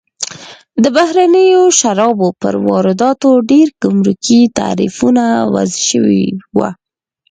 د بهرنیو شرابو پر وارداتو ډېر ګمرکي تعرفه وضع شوې وه.